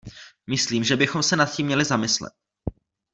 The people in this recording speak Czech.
Myslím, že bychom se nad tím měli zamyslet.